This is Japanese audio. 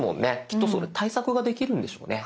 きっとその対策ができるんでしょうね。